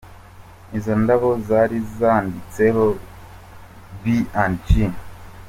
Izo ndabo zari zanditseho B & J.